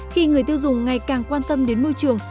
khi người tiêu dùng ngày càng quan tâm đến môi trường